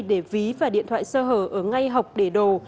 để ví và điện thoại sơ hở ở ngay học để đồ